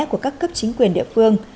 của các cấp chính quyền địa phương